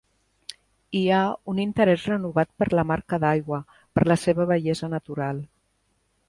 Hi ha un interès renovat per la marca d'aigua, per la seva bellesa natural.